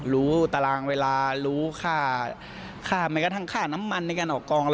ตารางเวลารู้ค่าแม้กระทั่งค่าน้ำมันในการออกกอง